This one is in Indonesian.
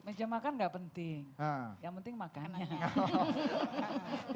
meja makan gak penting yang penting makannya